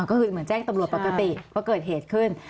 ก็คือเหมือนแจ้งตำรวจปกติว่าเกิดเหตุขึ้น